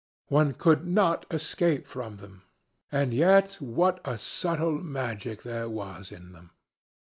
One could not escape from them. And yet what a subtle magic there was in them!